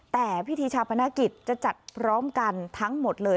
แต่พิธีชาปนกิจจะจัดพร้อมกันทั้งหมดเลย